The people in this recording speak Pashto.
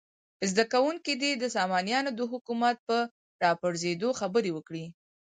زده کوونکي دې د سامانیانو د حکومت په راپرزېدو خبرې وکړي.